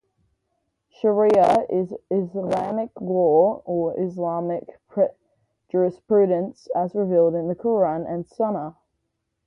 Shari'a is Islamic law or Islamic jurisprudence as revealed in the Qur'an and Sunna.